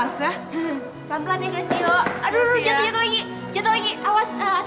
pelan pelan ya glassio aduh jatuh jatuh lagi jatuh lagi awas hati hati